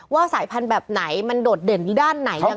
สายพันธุ์แบบไหนมันโดดเด่นด้านไหนยังไง